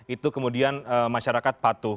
itu kemudian masyarakat patuh